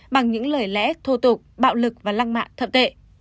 bằng những lời lẽ thô tục bạo lực và lăng mạ thậm tệ